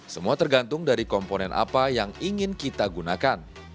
semua tergantung dari komponen apa yang ingin kita gunakan